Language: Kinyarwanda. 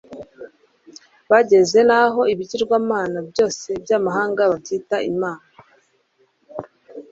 bageze n'aho ibigirwamana byose by'amahanga babyita imana